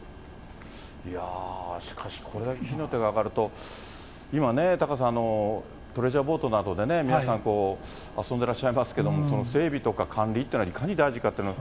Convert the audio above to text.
いやー、しかし、これだけ火の手が上がると、今ね、タカさん、プレジャーボートなどでね、皆さん、遊んでらっしゃいますけれども、整備とか管理っていうのいかに大事かっていうのは。